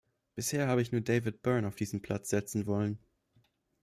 Bisher habe ich nur David Byrne auf diesen Platz setzen wollen.